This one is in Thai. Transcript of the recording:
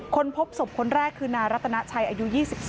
พบศพคนแรกคือนายรัตนาชัยอายุ๒๓